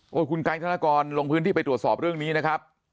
ค่ะโอ้คุณกายทะลักอลลงพื้นที่ไปตรวจสอบเรื่องนี้นะครับ